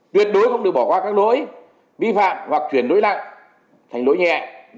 tuyệt đối không được bỏ qua các lỗi vi phạm hoặc chuyển lỗi nặng thành lỗi nhẹ